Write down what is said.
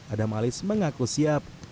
adam alistio mengaku siap